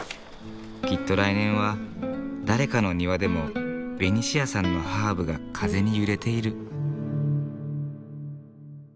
きっと来年は誰かの庭でもベニシアさんのハーブが風に揺れている。